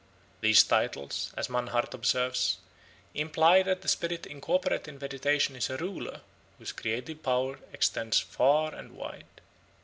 These titles, as Mannhardt observes, imply that the spirit incorporate in vegetation is a ruler, whose creative power extends far and wide.